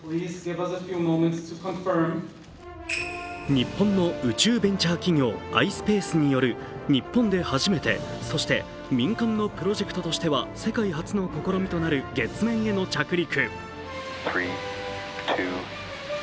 日本の宇宙ベンチャー企業ｉｓｐａｃｅによる日本で初めて、そして民間のプロジェクトとしては世界初の試みとなる月面への着陸。